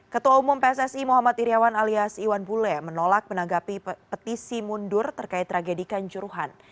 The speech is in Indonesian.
ketua umum pssi muhammad iryawan alias iwan bule menolak menanggapi petisi mundur terkait tragedi kanjuruhan